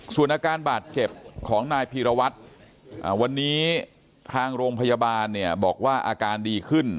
ส่วนอาการบาดเจ็บของนายพีรวัตรวันนี้ทางโรงพยาบาลเนี่ยบอกว่าอาการดีขึ้น